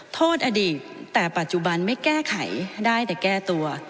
โทษอดีตแต่ปัจจุบันไม่แก้ไขได้แต่แก้ตัว